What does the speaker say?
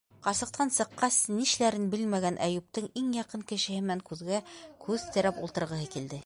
Ҡарсыҡтан сыҡҡас, нишләрен белмәгән Әйүптең иң яҡын кешеһе менән күҙгә-күҙ терәп ултырғыһы килде.